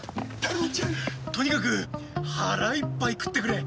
とにかく腹いっぱい食ってくれ。